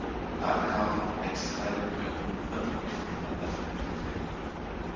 Ladekabel und Netzteil können nun unabhängig voneinander verwendet werden.